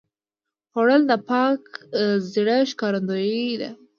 خوړل د پاک زړه ښکارندویي ده